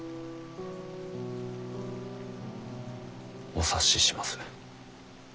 お察しします。